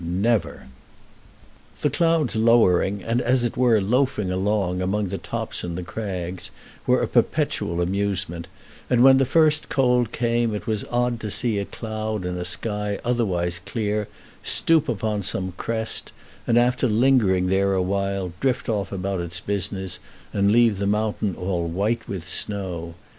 Never! [Illustration: Flirtation at the Fountains] The clouds lowering, and as it were loafing along, among the tops and crags, were a perpetual amusement, and when the first cold came it was odd to see a cloud in a sky otherwise clear stoop upon some crest, and after lingering there awhile drift off about its business, and leave the mountain all white with snow.